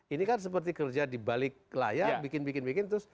ini seperti kerja dibalik layar